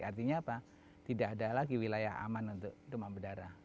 artinya apa tidak ada lagi wilayah aman untuk demam berdarah